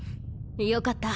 よかった！